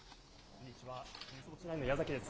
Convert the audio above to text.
こんにちは、ニュースウオッチ９の矢崎です。